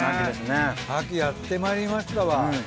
秋やってまいりましたわ。